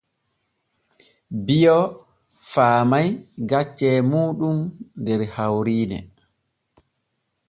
Bio faamay gaccee muuɗum der hawriine.